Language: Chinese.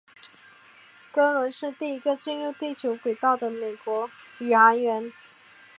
格伦是第一个进入地球轨道的美国宇航员。